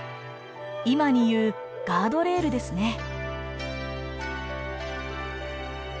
今に言うガードレールですね。